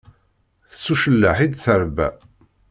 S ucelleḥ i d-terba.